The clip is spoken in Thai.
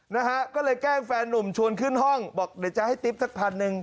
นะฮะก็เลยแกล้งแฟนนุ่มชวนขึ้นห้องบอกเดี๋ยวจะให้ติ๊บสักพันหนึ่ง